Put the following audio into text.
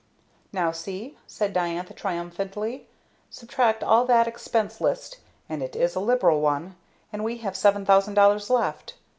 "Now, see," said Diantha triumphantly; "subtract all that expense list (and it is a liberal one), and we have $7,000 left.